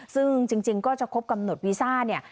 ซึ่งจริงก็จะครบกำหนดวีซ่าเนี่ย